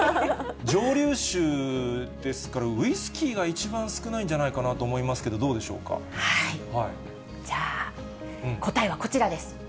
蒸留酒ですから、ウイスキーが一番少ないんじゃないかなと思いますけど、どうでしじゃあ、答えはこちらです。